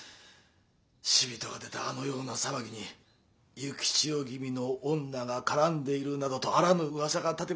死人が出たあのような騒ぎに幸千代君の御名が絡んでいるなどとあらぬうわさが立てば一大事である。